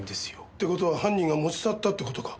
って事は犯人が持ち去ったって事か？